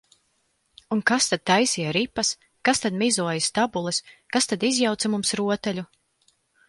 Un kas tad taisīja ripas, kas tad mizoja stabules, kas tad izjauca mums rotaļu?